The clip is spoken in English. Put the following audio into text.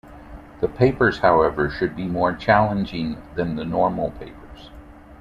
The papers, however, should be more challenging than the normal papers.